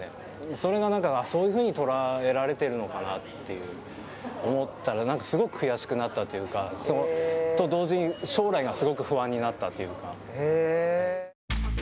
それがそういうふうに捉えられているのかなって思ったらなんかすごく悔しくなったというか、と、同時に将来がすごく不安になったという。